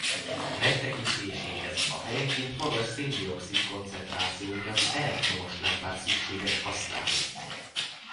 Megtekintéséhez a helyenként magas szén-dioxid koncentráció miatt elektromos lámpát szükséges használni.